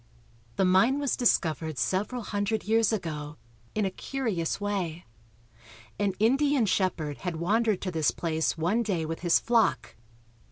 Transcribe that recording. The mine was discovered several hundred years ago, in a curious way. An Indian shepherd had wandered to this place one day with his flock.